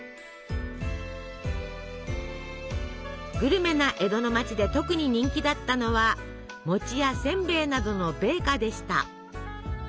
グルメな江戸の町で特に人気だったのは餅やせんべいなどの米菓でした。